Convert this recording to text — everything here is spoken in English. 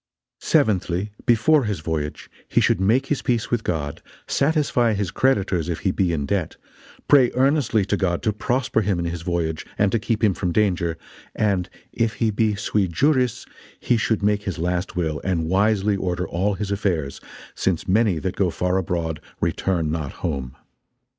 Seventhly, Before his Voyage, He should make his peace with God, satisfie his Creditors if he be in debt; Pray earnestly to God to prosper him in his Voyage, and to keep him from danger, and, if he be 'sui juris' he should make his last will, and wisely order all his affairs, since many that go far abroad, return not home.